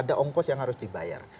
ada ongkos yang harus dibayar